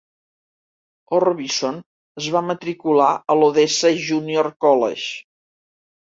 Orbison es va matricular a l'Odessa Junior College.